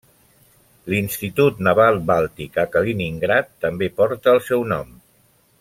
L'Institut Naval Bàltic a Kaliningrad també porta el seu nom.